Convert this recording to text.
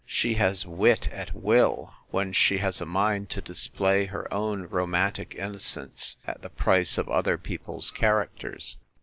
She has wit at will, when she has a mind to display her own romantic innocence, at the price of other people's characters.